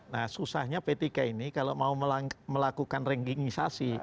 nah susahnya p tiga ini kalau mau melakukan rankingisasi